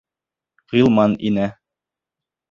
Ғилман инә.